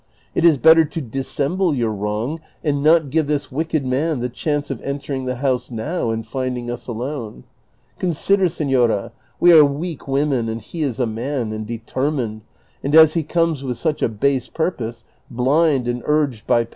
It is better to dissemble your wi'ong and not give tills wicked man the chance of entering the house now and tinding us alone ; consider, senora, we are weak women and he is a man, and determineil, and as he ccnnes with such a base j^urpose, blind and ui'ged by pas.